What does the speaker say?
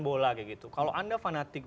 bola kayak gitu kalau anda fanatik